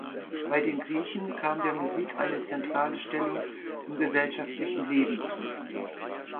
Bei den Griechen kam der Musik eine zentrale Stellung im gesellschaftlichen Leben zu.